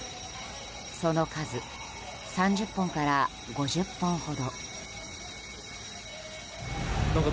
その数、３０本から５０本ほど。